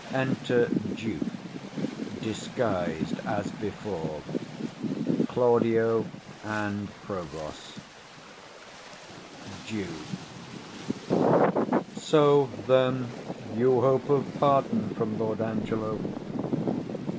_ Enter DUKE disguised as before, CLAUDIO, and PROVOST. Duke. So, then, you hope of pardon from Lord Angelo?